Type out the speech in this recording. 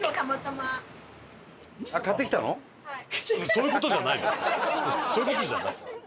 そういう事じゃない！